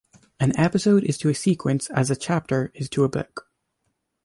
An episode is to a sequence as a chapter is to a book.